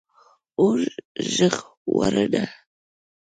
🚒 اور ژغورنه